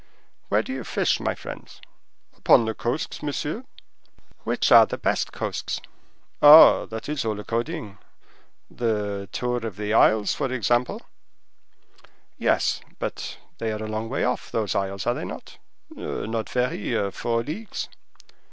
"Where do you fish, my friends?" "Upon the coasts, monsieur." "Which are the best coasts?" "Ah, that is all according. The tour of the isles, for example?" "Yes, but they are a long way off, those isles, are they not?" "Not very; four leagues."